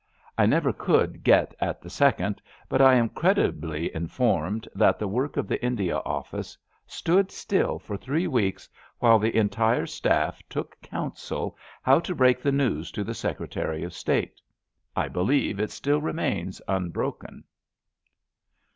I never could get at the second, but I am credibly informed that the work of the India Office stood still for three weeks, while the entire staff took council how to break the news to the Secretary of State. I believe it still remains unbroken.